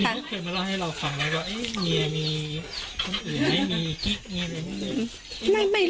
เยอะมากว่ามีท